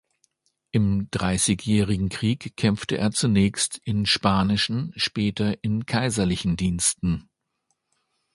Im Dreißigjährigen Krieg kämpfte er zunächst in spanischen, später in kaiserlichen Diensten.